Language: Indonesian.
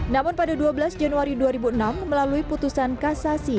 namun pada dua belas januari dua ribu enam melalui putusan kasasi